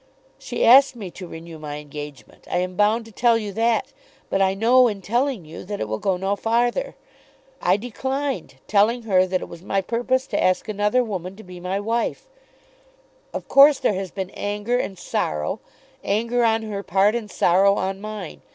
She asked me to renew my engagement. I am bound to tell you that, but I know in telling you that it will go no farther. I declined, telling her that it was my purpose to ask another woman to be my wife. Of course there has been anger and sorrow, anger on her part and sorrow on mine.